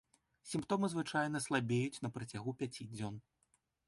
Сімптомы звычайна слабеюць на працягу пяці дзён.